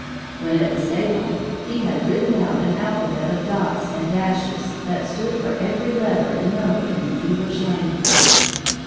When it was daylight, he had written out an alphabet of dots and dashes that stood for every letter and number in the English language!